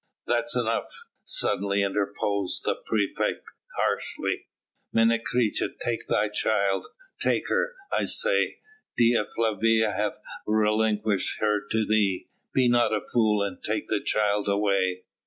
"That's enough," suddenly interposed the praefect harshly. "Menecreta, take thy child; take her, I say. Dea Flavia hath relinquished her to thee. Be not a fool and take the child away!"